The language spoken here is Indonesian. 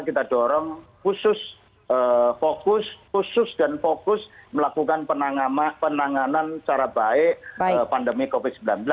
kita dorong khusus fokus khusus dan fokus melakukan penanganan secara baik pandemi covid sembilan belas